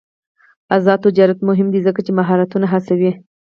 آزاد تجارت مهم دی ځکه چې مهارتونه هڅوي.